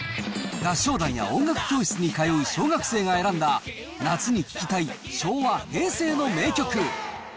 合唱団や音楽教室に通う小学生が選んだ、夏に聴きたい昭和・平成の名曲。